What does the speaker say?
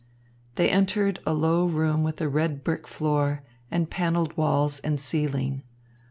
They entered a low room with a red brick floor and panelled walls and ceiling.